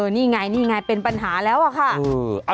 นี่ไงเป็นปัญหาแล้วค่ะ